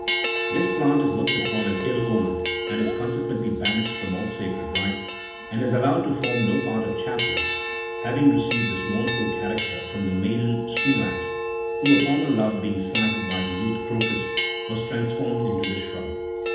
This plant is looked upon as ill omened, and is consequently banished from all sacred rites, and is allowed to form no part of chaplets ; having re ceived this mournful character from the maiden Smilax, who upon her love being slighted by the youth Crocus, was trans formed into this shrub.